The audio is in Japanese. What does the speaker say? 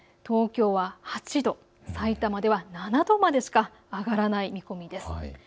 東京は８度、さいたまでは７度までしか上がらない見込みです。